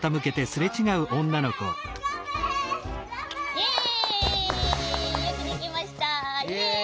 イエイよくできました。